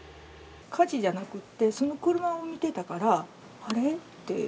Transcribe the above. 火事じゃなくて、その車を見てたから、あれって。